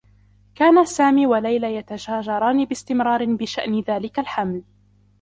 كانا سامي و ليلى يتشاجران باستمرار بشأن ذلك الحمل.